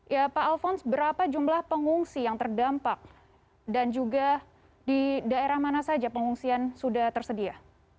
ya pak alphonse berapa jumlah pengungsi yang terdampak dan juga di daerah mana saja pengungsian sudah tersedia